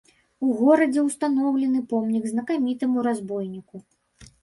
У горадзе ўстаноўлены помнік знакамітаму разбойніку.